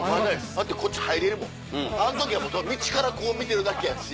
だってこっち入れるもんあん時は道から見てるだけやし。